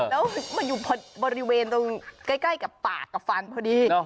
แล้วมันอยู่บริเวณตรงใกล้กับปากกับฟันพอดี